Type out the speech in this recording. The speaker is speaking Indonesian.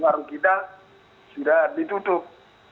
warung kita sudah ditutup